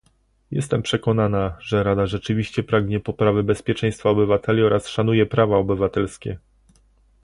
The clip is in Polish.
Jestem przekonana, że Rada rzeczywiście pragnie poprawy bezpieczeństwa obywateli oraz szanuje prawa obywatelskie